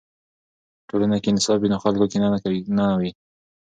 که په ټولنه کې انصاف وي، نو خلکو کې کینه نه وي.